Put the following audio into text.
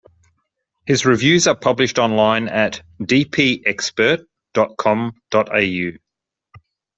His reviews are published online at dpexpert dot com.au.